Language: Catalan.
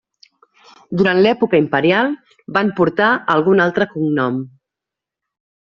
Durant l'època imperial van portar algun altre cognom.